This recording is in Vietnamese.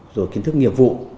rồi kiến thức nghiệp vụ